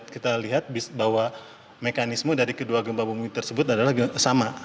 kita lihat bahwa mekanisme dari kedua gempa bumi tersebut adalah sama